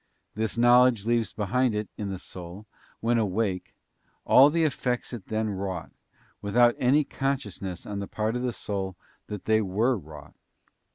This knowledge leaves behind it in the soul, when awake, all the effects it then wrought, without any consciousness on the part of the soul that they were wrought.